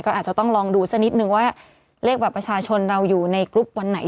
ก็อาจจะต้องลองดูสักนิดนึงว่าเลขบัตรประชาชนเราอยู่ในกรุ๊ปวันไหน